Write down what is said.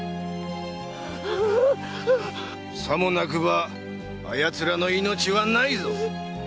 さもなくばあ奴らの命はないぞ。